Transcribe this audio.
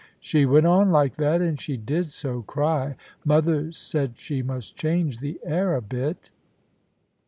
She went on like that, and she did so cry, mother said she must change the air a bit."